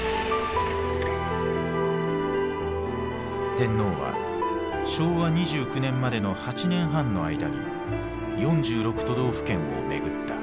天皇は昭和２９年までの８年半の間に４６都道府県を巡った。